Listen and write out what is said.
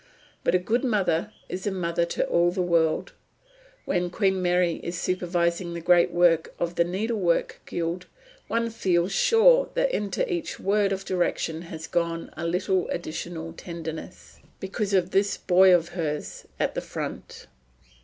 But a good mother is a mother to all the world. When Queen Mary is supervising the great work of the Needlework Guild one feels sure that into each word of direction has gone a little additional tenderness, because of this boy of hers at the front.